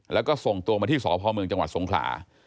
แล้วก็ส่งตัวมาที่สพเมืองจังหวัดสงขลา